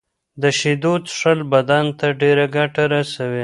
د شېدو څښل بدن ته ډيره ګټه رسوي.